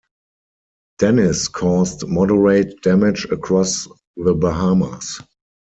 Dennis caused moderate damage across the Bahamas.